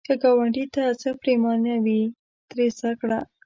که ګاونډي ته څه پرېمانه وي، ترې زده کړه